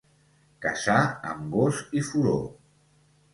Caçar amb gos i furó.